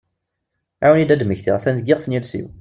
Ɛiwen-iyi ad mmektiɣ, atan deg iɣef nyiules-iw!